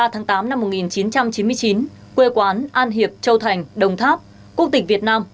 hai mươi tháng tám năm một nghìn chín trăm chín mươi chín quê quán an hiệp châu thành đồng tháp quốc tịch việt nam